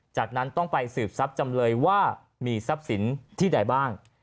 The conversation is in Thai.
จากนั้นต้องไปสืบทรัพย์จำเลยว่ามีทรัพย์สินที่ใดบ้าง